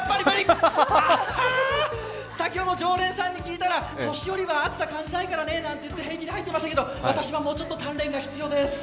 先ほど常連さんに聞いたら、年寄りは熱さを感じないからねと平気で入ってましたけど、私はもうちょっと鍛錬が必要です。